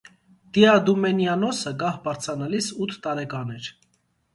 Դիադումենյանոսը գահ բարձրանալիս ութ տարեկան էր։